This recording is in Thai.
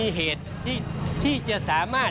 ส่วนต่างกระโบนการ